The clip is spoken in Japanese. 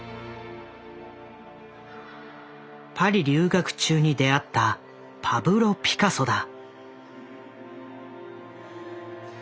パリ留学中に出会ったパブロ・ピカソだ。